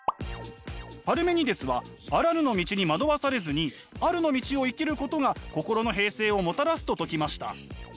パルメニデスはあらぬの道に惑わされずにあるの道を生きることが心の平静をもたらすと説きました。